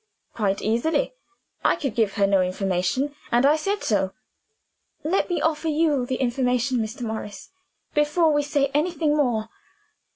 "Quite easily. I could give her no information and I said so." "Let me offer you the information, Mr. Morris, before we say anything more.